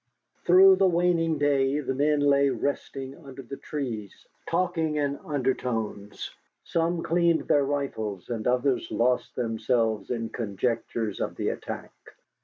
Through the waning day the men lay resting under the trees, talking in undertones. Some cleaned their rifles, and others lost themselves in conjectures of the attack.